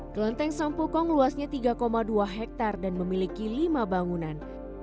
kelenteng sampukong luasnya tiga dua hektare dan memiliki lima bangunan